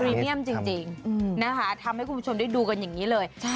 เมียมจริงนะคะทำให้คุณผู้ชมได้ดูกันอย่างนี้เลย